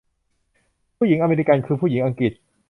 ผู้หญิงอเมริกันคือผู้หญิงอังกฤษ